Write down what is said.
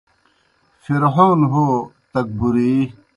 فرعون ہو تکبُری